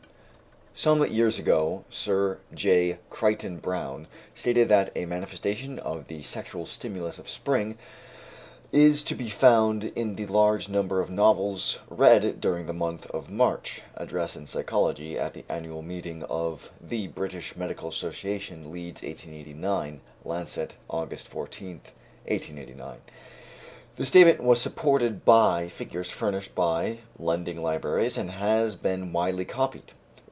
Some years ago, Sir J. Crichton Browne stated that a manifestation of the sexual stimulus of spring is to be found in the large number of novels read during the month of March ("Address in Psychology" at the annual meeting of the British Medical Association, Leeds, 1889; Lancet, August 14, 1889). The statement was supported by figures furnished by lending libraries, and has since been widely copied.